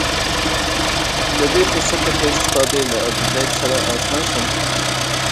له دې فرصته په استفادې له ابوزید سره اشنا شم.